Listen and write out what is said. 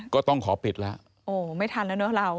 ก็ต้องขอปิดแล้วโอ้ไม่ทันแล้วเนอะเรา